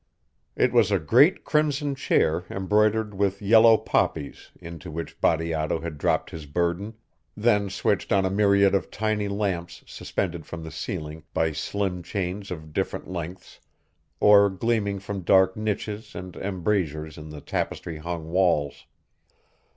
It was a great crimson chair embroidered with yellow poppies into which Bateato had dropped his burden, then switched on a myriad of tiny lamps suspended from the ceiling by slim chains of different lengths or gleaming from dark niches and embrasures in the tapestry hung walls.